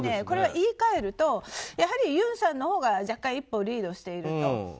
これは言い換えるとやはりユンさんのほうが若干、一歩リードしていると。